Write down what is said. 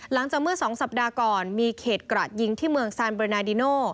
หลังจากเมื่อ๒สัปดาห์ก่อนมีเขตกระดยิงที่เมืองซานเรนาดิโน